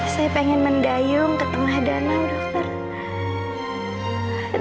saya pengen mendayung ke tengah danau dokter